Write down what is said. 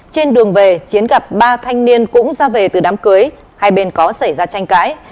trên đường về chiến gặp ba thanh niên cũng ra về từ đám cưới hai bên có xảy ra tranh cãi